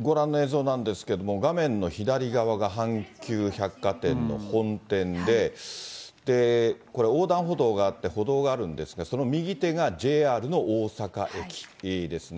ご覧の映像なんですけれども、画面の左側が阪急百貨店の本店で、これ、横断歩道があって、歩道があるんですが、その右手がＪＲの大阪駅ですね。